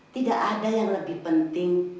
tidak ada yang lebih penting